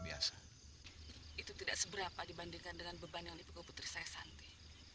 dokter kenapa ada dokter di sini